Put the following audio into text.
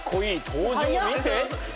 登場見て？